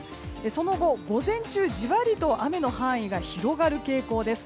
その後午前中、ジワリと雨の範囲が広がる傾向です。